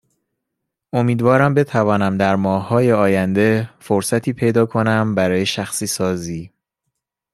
امیدوارم بتوانم در ماههای آینده فرصتی پیدا کنم برای شخصیسازی